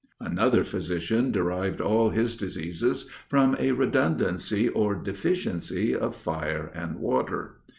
Another physician derived all his diseases from a redundancy or deficiency of fire and water.